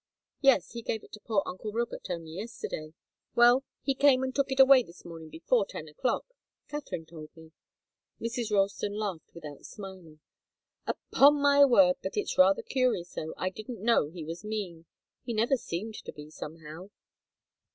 "Yes he gave it to poor uncle Robert only yesterday." "Well he came and took it away this morning before ten o'clock. Katharine told me." Mrs. Ralston laughed without smiling. "Upon my word! But it's rather curious, though. I didn't know he was mean. He never seemed to be, somehow."